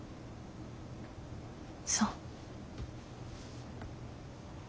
そう。